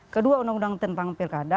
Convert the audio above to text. kedua undang undang tentang pilkada